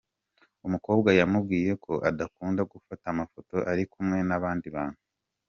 Umukobwa yamubwiye ko adakunda gufata amafoto ari kumwe n’abandi bantu.